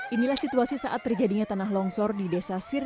inilah situasi saat terjadinya tanah longsor di desa sirna resmi sukabumi jawa barat